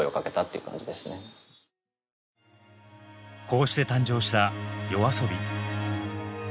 こうして誕生したＹＯＡＳＯＢＩ。